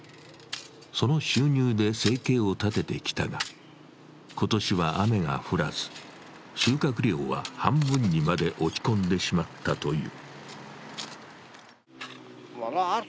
その収入で生計を立ててきたが、今年は雨が降らず、収穫量は半分にまで落ち込んでしまったという。